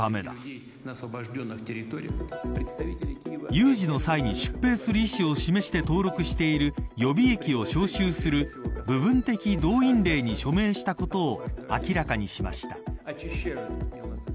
有事の際に出兵する意思を示して登録している予備役を招集する部分的動員令に署名したことを明らかにしました。